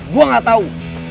gue gak tau